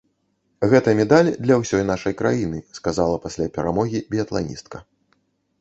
Гэта медаль для ўсёй нашай краіны, сказала пасля перамогі біятланістка.